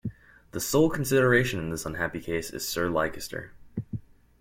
The sole consideration in this unhappy case is Sir Leicester.